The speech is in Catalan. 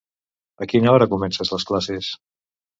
A quina hora comences les classes?